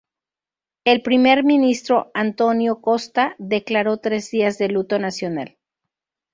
El primer ministro António Costa declaró tres días de luto nacional.